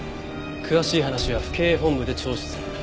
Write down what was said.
詳しい話は府警本部で聴取する。